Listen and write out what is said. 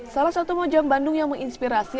salah satu mojang bandung yang menginspirasi